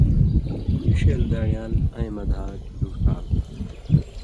پیݜېل دان٘ڑیال اَیں مہ دھاچُوݜالوئے